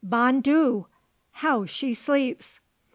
Bon Dieu! how she sleeps!"